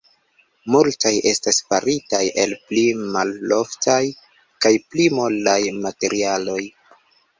Multaj estas faritaj el pli maloftaj kaj pli molaj materialoj.